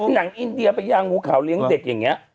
หนังอินเดียไปยางงูขาวเลี้ยงเด็กอย่างนี้